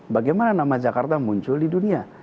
bagaimana nama jakarta muncul di dunia